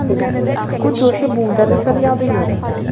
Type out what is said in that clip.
كنت أحبّ مدرّس الرّياضيّات.